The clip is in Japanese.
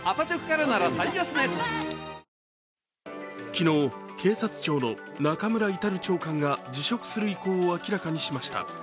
昨日、警察庁の中村格長官が辞職する意向を示しました。